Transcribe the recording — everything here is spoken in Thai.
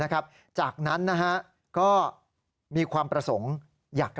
ค่ะดิฉันรออยู่คุณสุศกุล